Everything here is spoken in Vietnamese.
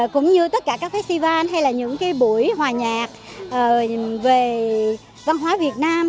cũng như tất cả các festival hay là những buổi hòa nhạc về văn hóa việt nam